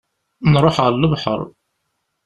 Nruḥ ɣer lebḥer.